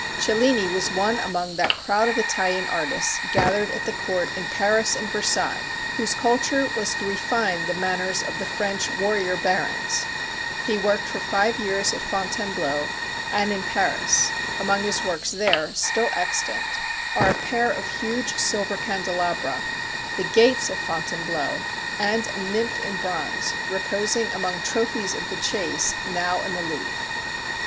Cellini was one among that crowd of Italian artists gathered at the court in Paris and Versailles, whose culture was to refine the manners of the French warrior barons. He worked for five years at Fontainebleau and in Paris. Among his works there, still extant, are a pair of huge silver candelabra, the gates of Fontainebleau, and a nymph in bronze, reposing among trophies of the chase, now in the Louvre.